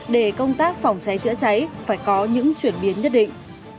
để công tác phòng cháy chữa cháy phải có những chuyển biến nhất định